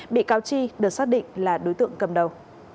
bị cáo chi được xác định là đối tượng cầm đầu